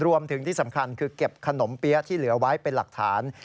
รวมถึงที่สำคัญคือเก็บขนมเปี๊ยะที่เหลือไว้เป็นหลักฐาน